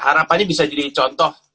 harapannya bisa jadi contoh